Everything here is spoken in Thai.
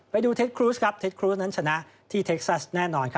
ไปดูเทคครูซครับเทคครูซนั้นชนะที่เทคซัสแน่นอนครับ